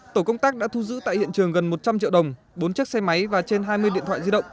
tổ công tác đã thu giữ tại hiện trường gần một trăm linh triệu đồng bốn chiếc xe máy và trên hai mươi điện thoại di động